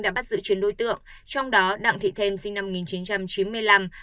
đã bắt giữ chín đối tượng trong đó đặng thị thêm sinh năm một nghìn chín trăm chín mươi năm